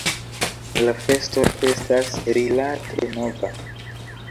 La festo estas rilate nova.